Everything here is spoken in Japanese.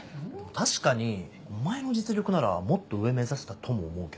確かにお前の実力ならもっと上目指せたとも思うけど。